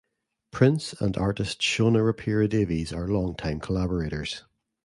Prince and artist Shona Rapira Davies are long time collaborators.